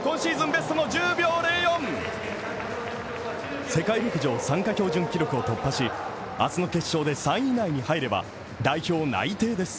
ベストの１０秒０４世界陸上参加標準記録を突破し、明日の決勝で３位以内に入れば代表内定です。